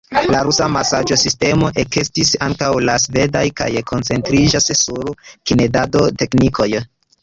La rusa masaĝo-sistemo ekestis antaŭ la sveda kaj koncentriĝas sur knedado-teknikoj.